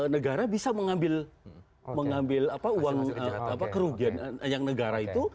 negara bisa mengambil uang kerugian yang negara itu